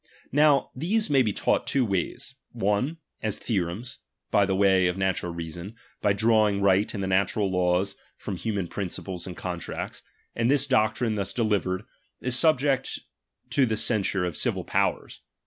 Now these may be taught two ways ; j^ one, as theorevis, by the way of natural reason, by —» drawing right and the natural laws from human _ o principles and contracts ; and this doctrine thus delivered, is subject to the censure of civil powers.